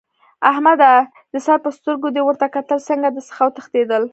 احمده! د سر په سترګو دې ورته کتل؛ څنګه در څخه وتښتېدل؟!